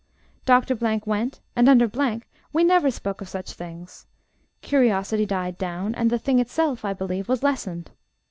Dr. went, and, under , we never spoke of such things. Curiosity died down, and the thing itself, I believe, was lessened.